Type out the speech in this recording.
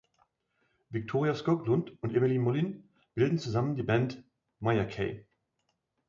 Victoria Skoglund und Emelie Molin bilden zusammen die Band Mire Kay.